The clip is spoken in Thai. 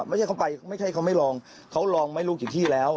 ไม่ใช่เขาไปไม่ใช่เขาไม่ลองเขาลองไม่รู้กี่ที่แล้ว